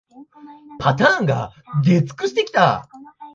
パターンが出尽くしてきた